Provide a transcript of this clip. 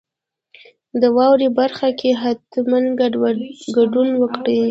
د واورئ برخه کې حتما ګډون وکړئ.